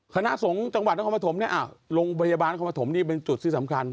คณะสงส์จังหวัดนักความประถมเนี่ยโรงพยาบาลนักความประถมนี่เป็นจุดที่สำคัญ